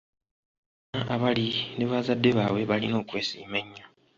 Abaana abali me bazadde baabwe balina okwesiima ennyo.